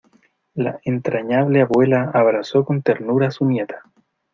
La entrañable abuela abrazó con ternura a su nieta.